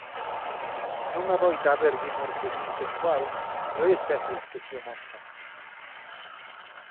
Non adoita haber dimorfismo sexual pero hai especies que si o mostran.